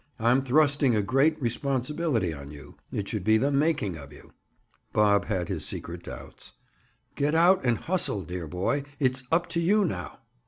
I'm thrusting a great responsibility on you. It should be the making of you." Bob had his secret doubts. "Get out and hustle, dear boy. It's up to you, now!"